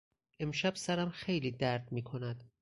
امشب سرم خیلی درد میکند.